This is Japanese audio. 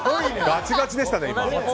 バチバチでしたね。